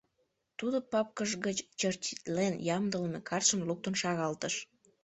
Тудо папкыж гыч чертитлен ямдылыме картшым луктын шаралтыш.